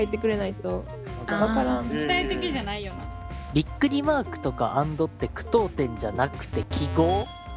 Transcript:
ビックリマークとか＆って句読点じゃなくて記号。